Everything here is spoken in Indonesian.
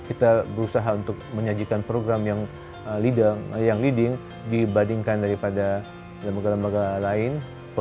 kita berusaha untuk menyajikan program yang leading dibandingkan daripada lembaga lembaga lain